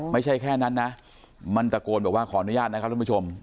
ไม่ใช่แค่นั้นนะมันตะโกนบอกว่าขออนุญาตนะครับท่านผู้ชม